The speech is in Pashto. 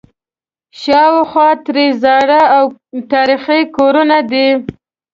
شاوخوا ترې زاړه او تاریخي کورونه دي.